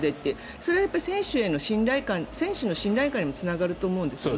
それは選手の信頼感にもつながると思うんですね。